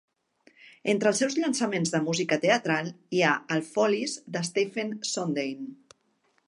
Entre els seus llançaments de música teatral hi ha el "Follies" de Stephen Sondheim.